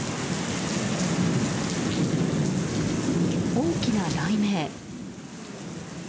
大きな雷鳴。